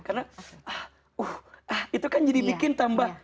karena itu kan jadi bikin tambah